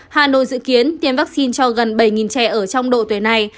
hà nội dự kiến tiêm vaccine cho gần bảy trẻ ở trong độ tuổi này